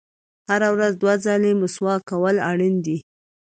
• هره ورځ دوه ځله مسواک کول اړین دي.